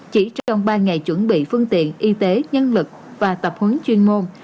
chỉ trong ba ngày chuẩn bị phương tiện y tế nhân lực và tập huấn chuyên môn